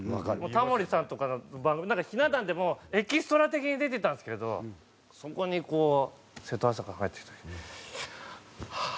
タモリさんとかの番組ひな壇でエキストラ的に出てたんですけどそこにこう瀬戸朝香さんが入ってきた時にああ！